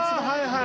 はい。